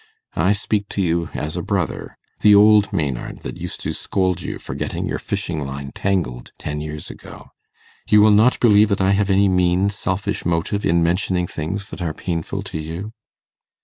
I speak to you as a brother the old Maynard that used to scold you for getting your fishing line tangled ten years ago. You will not believe that I have any mean, selfish motive in mentioning things that are painful to you?